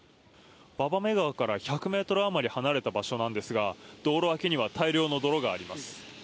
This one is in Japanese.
馬場目川から１００ｍあまり離れた場所なんですが、道路脇には大量の泥があります。